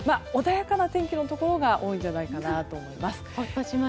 穏やかな天気のところが多いんじゃないかなと思います。